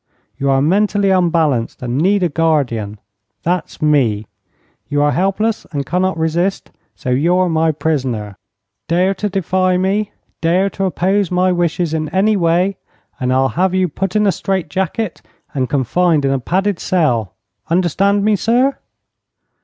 "You are mentally unbalanced, and need a guardian. That's me. You are helpless and cannot resist, so you're my prisoner. Dare to defy me, dare to oppose my wishes in any way, and I'll have you put in a straight jacket and confined in a padded cell. Understand me, sir?"